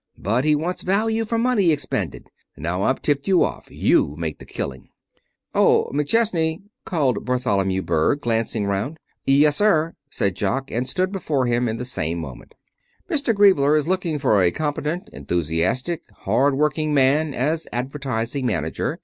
But he wants value for money expended. Now I've tipped you off. You make your killing " "Oh, McChesney!" called Bartholomew Berg, glancing round. "Yes, sir!" said Jock, and stood before him in the same moment. "Mr. Griebler is looking for a competent, enthusiastic, hard working man as advertising manager.